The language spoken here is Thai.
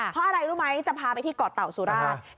เพราะอะไรรู้ไหมจะพาไปที่เกาะเต่าสุราช